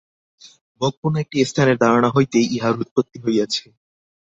ভোগপূর্ণ একটি স্থানের ধারণা হইতেই ইহার উৎপত্তি হইয়াছে।